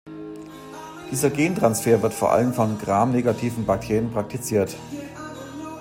Dieser Gentransfer wird vor allem von Gram-negativen Bakterien praktiziert.